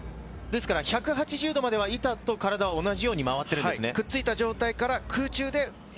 １８０度までは板と体は一緒に回ってるんですね。